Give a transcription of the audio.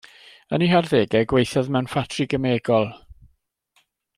Yn ei harddegau gweithiodd mewn ffatri gemegol.